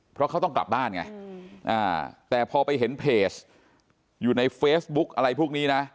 เพราะเขาต้องกลับบ้านไงแต่พอไปเห็นเพจอยู่ในเฟซบุ๊กอะไรพวกนี้นะ